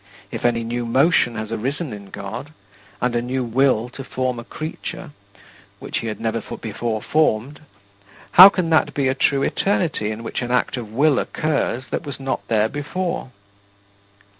If any new motion has arisen in God, and a new will to form a creature, which he had never before formed, how can that be a true eternity in which an act of will occurs that was not there before?